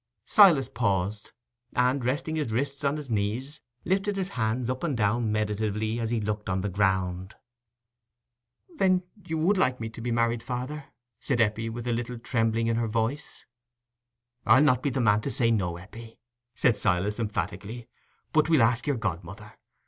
Silas paused, and, resting his wrists on his knees, lifted his hands up and down meditatively as he looked on the ground. "Then, would you like me to be married, father?" said Eppie, with a little trembling in her voice. "I'll not be the man to say no, Eppie," said Silas, emphatically; "but we'll ask your godmother.